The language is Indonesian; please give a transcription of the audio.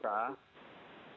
dan menilai suatu bangsa